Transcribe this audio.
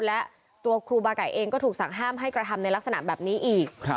และตัวครูบาไก่เองก็ถูกสั่งห้ามให้กระทำในลักษณะแบบนี้อีก